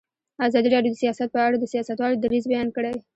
ازادي راډیو د سیاست په اړه د سیاستوالو دریځ بیان کړی.